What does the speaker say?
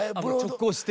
直行して。